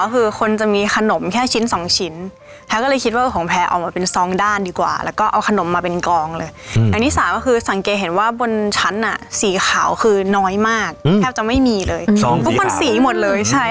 คือน้อยมากแก้วจะไม่มีเลยซองสีขาวมันสีหมดเลยใช่